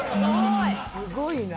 「すごいな！」